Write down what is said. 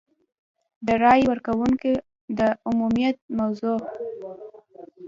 د رایې ورکونې د عمومیت موضوع.